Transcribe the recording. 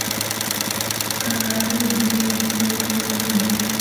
kangaroo dume ni mkubwa kuliko jike